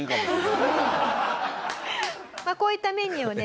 こういったメニューをね